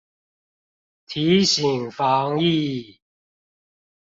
提醒防疫